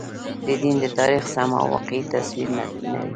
د دین د تاریخ سم او واقعي تصویر نه وي.